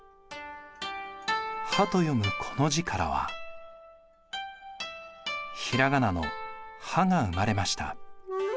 「波」と読むこの字からは平仮名の「は」が生まれました。